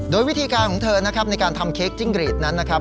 โดยวิธีการของเธอนะครับในการทำเค้กจิ้งรีดนั้นนะครับ